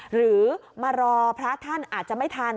หรือมารอพระท่านอาจจะไม่ทัน